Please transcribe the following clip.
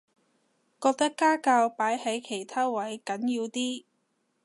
覺得家教擺喺其他位緊要啲